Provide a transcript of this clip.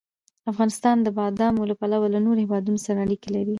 افغانستان د بادامو له پلوه له نورو هېوادونو سره اړیکې لري.